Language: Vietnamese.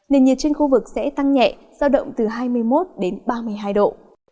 nền nhiệt trên khu vực sẽ tăng nhẹ giao động từ hai mươi một đến ba mươi hai độ